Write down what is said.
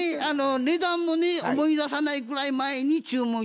値段もね思い出さないくらい前に注文したんですよ。